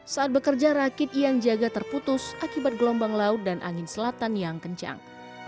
saat bekerja rakit yang jaga terputus akibat gelombang laut dan angin selatan yang kencang